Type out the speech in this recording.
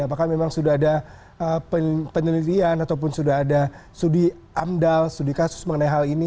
apakah memang sudah ada penelitian ataupun sudah ada studi amdal studi kasus mengenai hal ini